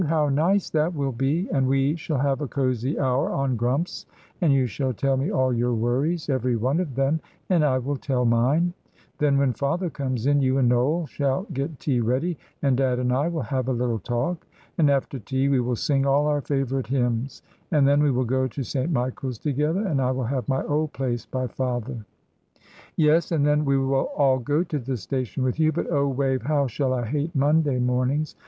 How nice that will be! And we shall have a cosy hour on Grumps, and you shall tell me all your worries every one of them; and I will tell mine. Then, when father comes in, you and Noel shall get tea ready, and dad and I will have a little talk. And after tea we will sing all our favourite hymns, and then we will go to St. Michael's together, and I will have my old place by father." "Yes; and then we will all go to the station with you. But oh, Wave, how I shall hate Monday mornings!